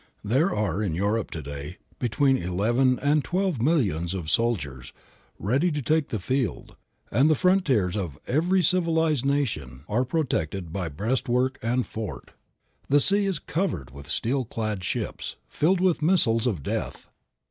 There are in Europe to day between eleven and twelve millions of soldiers, ready to take the field, and the frontiers of every civilized nation are protected by breastwork and fort. The sea is covered with steel clad ships, filled with missiles of death.